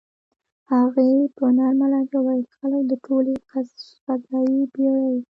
هغې په نرمه لهجه وویل: "خلک د ټولې فضايي بېړۍ.